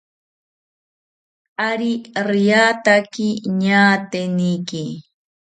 Ari riataki ñaateniki